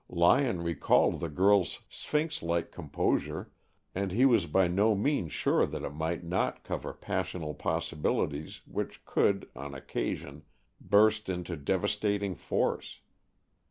Lyon recalled the girl's sphinx like composure, and he was by no means sure that it might not cover passional possibilities which could, on occasion, burst into devastating force.